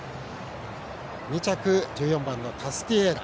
２着１４番のタスティエーラ。